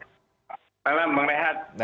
selamat malam bang renha